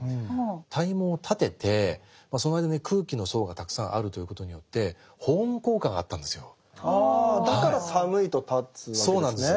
体毛を立ててその間に空気の層がたくさんあるということによってああだから寒いと立つわけですね。